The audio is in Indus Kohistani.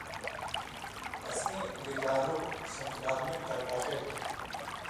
اسیں لِکان٘لو شمس العالمین کاکاخېل تُھو